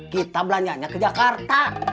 kita belanjanya ke jakarta